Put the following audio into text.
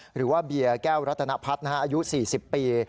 หรือว่าเบียร์แก้วรัตนพัฒน์อายุ๔๐ปี